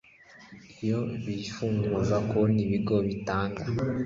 Iyo bifunguza konti ibigo bitanga